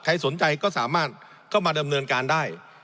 สนใจก็สามารถเข้ามาดำเนินการได้